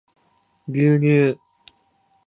牛乳